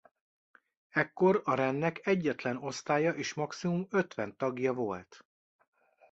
Ekkor a rendnek egyetlen osztálya és maximum ötven tagja volt.